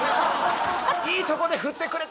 いいとこで振ってくれた！